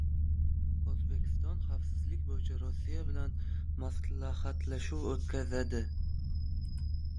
O‘zbekiston xavfsizlik bo‘yicha Rossiya bilan maslahatlashuv o‘tkazadi